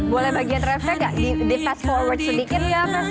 boleh bagian rev nya gak di fast forward sedikit ya